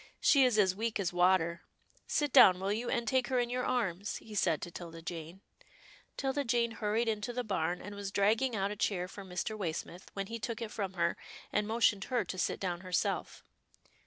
She is as weak as water — Sit down, will you, and take her in your arms," he said to 'Tilda Jane. 'Tilda Jane hurried into the barn, and was drag ging out a chair for Mr. Waysmith, when he took it from her, and motioned her to sit down herself.